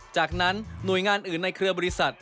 จากนั้นหน่วยงานอื่นในเครือบริษัท